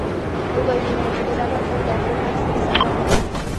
وبه وینئ چې ډېره برخه یې د افریقا سترې صحرا کې ده.